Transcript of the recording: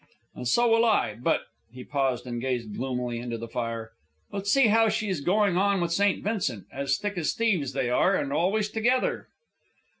"And so will I; but " He paused and gazed gloomily into the fire. "But see how she is going on with St. Vincent. As thick as thieves they are, and always together."